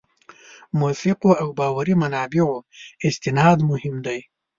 موثقو او باوري منابعو استناد مهم دی.